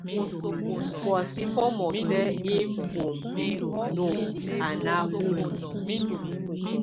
Buɔ́sɛ bomɔtɛ, imbómbi nob, a náho munu.